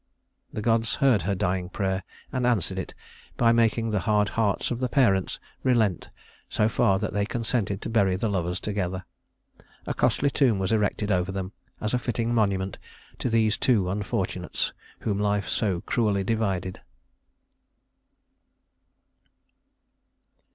The gods heard her dying prayer and answered it by making the hard hearts of the parents relent so far that they consented to bury the lovers together. A costly tomb was erected over them as a fitting monument to these two unfortunates whom life so cruelly divided.